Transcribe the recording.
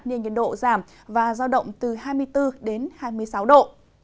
nên nhiệt độ giảm và giao động từ hai mươi bốn đến hai mươi sáu độ